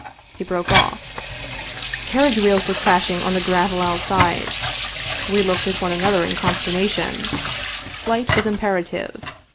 He broke off. Carriage wheels were crashing on the gravel outside. We looked at one another in consternation. Flight was imperative.